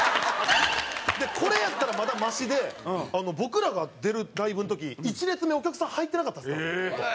これやったらまだマシで僕らが出るライブの時１列目お客さん入ってなかったですからね。